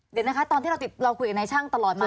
เดี๋ยวนะคะตอนที่เราคุยกับนายช่างตลอดมา